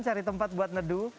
cari tempat buat nedu